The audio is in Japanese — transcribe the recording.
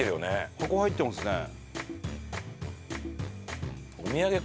箱入ってますね。